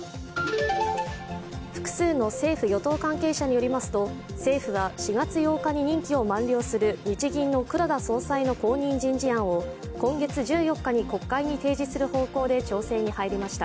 複数の政府・与党関係者によりますと、政府は４月８日に任期を満了する日銀の黒田総裁の後任人事案を今月１４日に国会に提示する方向で調整に入りました。